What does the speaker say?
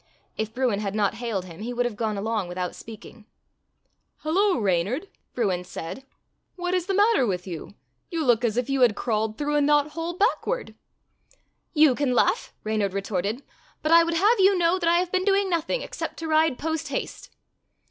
If Bruin had not hailed him he would have gone along without speaking. "Hello! Reynard," Bruin said, "what is 12 Fairy Tale Foxes the matter with you? You look as if you had crawled through a knothole backward." "You can laugh," Reynard retorted, "but I would have you know that I have been doing nothing except to ride post haste."